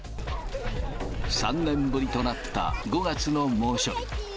３年ぶりとなった５月の猛暑日。